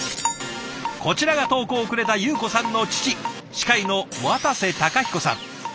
こちらが投稿をくれた有子さんの父歯科医の渡瀬孝彦さん。